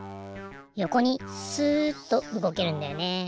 よこにすっとうごけるんだよね。